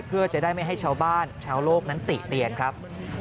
เพื่อจะได้ไม่ให้ชาวบ้านชาวโลกนั้นติเตียนครับ